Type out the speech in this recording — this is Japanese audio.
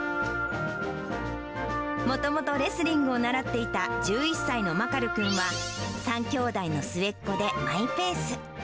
もともとレスリングを習っていた１１歳のマカル君は、３きょうだいの末っ子で、マイペース。